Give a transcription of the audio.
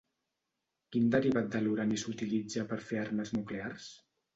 Quin derivat de l'urani s'utilitza per fer armes nuclears?